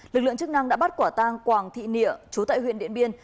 lực lượng chức năng đã bắt quả tang quảng thị nịa chú tại huyện điện biên